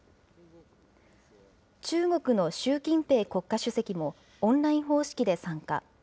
中国の習近平国家主席も、オンライン方式で参加。